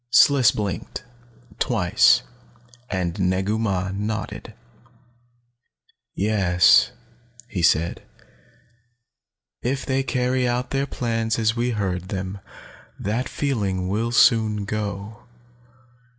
Sliss blinked, twice, and Negu Mah nodded. "Yes," he said. "If they carry out their plans as we heard them, that feeling will soon go.